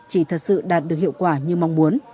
chỉ thật sự đạt được hiệu quả như mong muốn